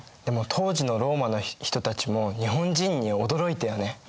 でも当時のローマの人たちも日本人に驚いたよね。